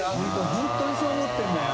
本当にそう思ってるんだよ。